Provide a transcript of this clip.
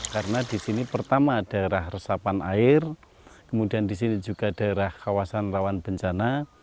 karena di sini pertama daerah resapan air kemudian di sini juga daerah kawasan rawan bencana